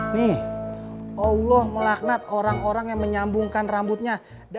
nih allah melaknat orang orang yang menyambungkan rambutnya